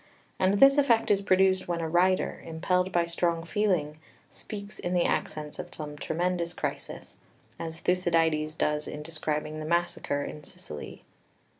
And this effect is produced when a writer, impelled by strong feeling, speaks in the accents of some tremendous crisis; as Thucydides does in describing the massacre in Sicily.